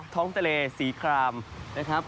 ท้องทะเลสีครามนะครับ